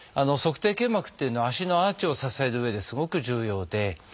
足底腱膜っていうのは足のアーチを支えるうえですごく重要で。